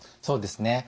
そうですね。